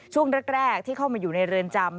ช่วงแรกที่เข้ามาอยู่ในเรือนจำ